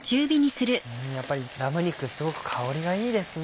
やっぱりラム肉すごく香りがいいですね。